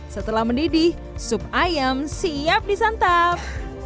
setelah mendidih sup ayam siap disantap